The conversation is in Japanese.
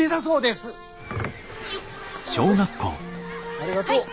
ありがとう。